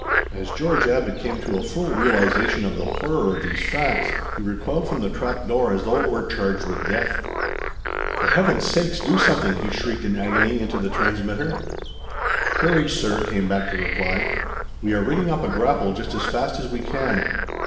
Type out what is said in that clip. As George Abbot came to a full realization of the horror of these facts, he recoiled from the trap door as though it were charged with death. "For Heaven's sakes, do something!" he shrieked in agony into the transmitter. "Courage, sir," came back the reply. "We are rigging up a grapple just as fast as we can.